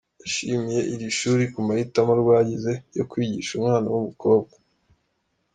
Yashimiye iri shuri ku mahitamo ryagize yo kwigisha umwana w’Umukobwa.